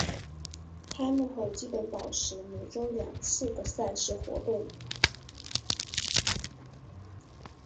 开幕后基本保持每周两次赛事活动。